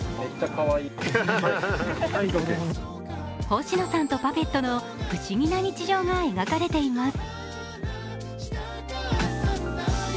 星野さんとパペットの不思議な日常が描かれています。